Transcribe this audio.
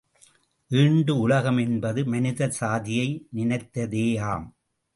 ஈண்டு உலகம் என்பது மனித சாதியை நினைத்தேயாம்.